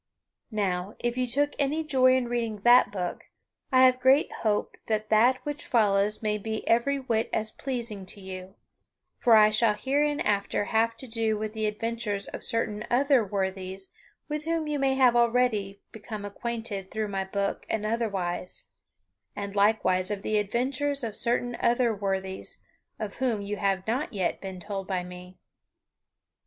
Now, if you took any joy in reading that book, I have great hope that that which follows may be every whit as pleasing to you; for I shall hereinafter have to do with the adventures of certain other worthies with whom you may have already become acquainted through my book and otherwise; and likewise of the adventures of certain other worthies, of whom you have not yet been told by me.